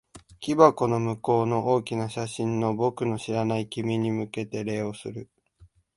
木箱の向こうの大きな写真の、僕の知らない君に向けて礼をする。